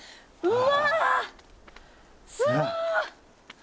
うわすごい！